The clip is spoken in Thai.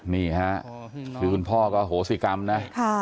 นี่ค่ะคือคุณพ่อก็โหสิกรรมนะ